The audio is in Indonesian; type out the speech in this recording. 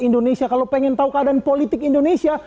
indonesia kalau pengen tahu keadaan politik indonesia